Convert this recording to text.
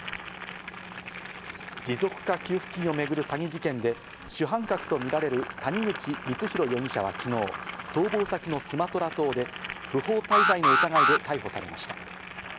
持続化給付金をめぐる詐欺事件で、主犯格とみられる谷口光弘容疑者は昨日、逃亡先のスマトラ島で不法滞在の疑いで逮捕されました。